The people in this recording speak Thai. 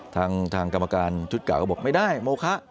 ทางกรรมการชุดเก่าก็บอกไม่ได้โมคะ